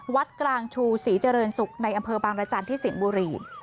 วัดกลางชูศรีเจริญศุกร์ในอำเภอบางรจันทร์ที่สิงห์บุรี